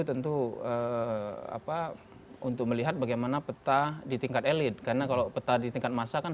tentu apa untuk melihat bagaimana peta di tingkat elit karena kalau peta di tingkat masa kan